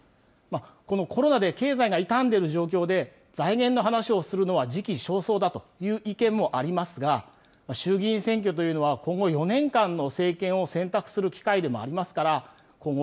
このコロナで経済がいたんでいる状況で、財源の話をするのは時期尚早だという意見もありますが、衆議院選挙というのは、今後、４年間の政権を選択する機会でもありますから、今後、